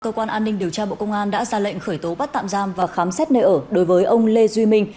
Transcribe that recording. cơ quan an ninh điều tra bộ công an đã ra lệnh khởi tố bắt tạm giam và khám xét nơi ở đối với ông lê duy minh